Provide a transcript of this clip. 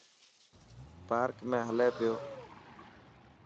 پارڪ ۾ هلي پيو.